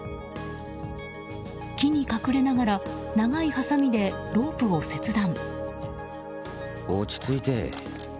木に隠れながら、長いはさみでロープを切断。